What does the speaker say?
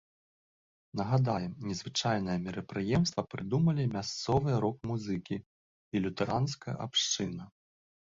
Нагадаем, незвычайнае мерапрыемства прыдумалі мясцовыя рок-музыкі і лютэранская абшчына.